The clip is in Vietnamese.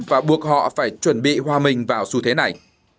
và buộc họ phải chuẩn bị hòa mình vào xu thế này